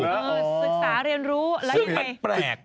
ศึกษาเรียนรู้แล้วยังไงแปลก